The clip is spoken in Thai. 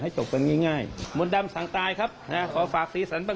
แล้วเรื่องมันเป็นอะไรน่ะ